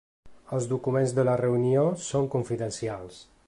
Els documents de la reunió són confidencials.